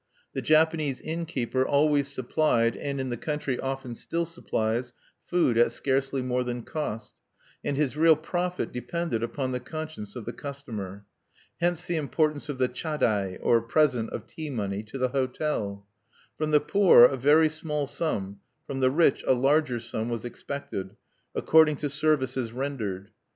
The Japanese innkeeper always supplied (and in the country often still supplies) food at scarcely more than cost; and his real profit depended upon the conscience of the customer. Hence the importance of the chadai, or present of tea money, to the hotel. From the poor a very small sum, from the rich a larger sum, was expected, according to services rendered.